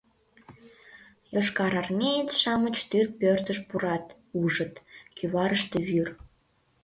Йошкарармеец-шамыч тӱр пӧртыш пурат, ужыт: кӱварыште вӱр.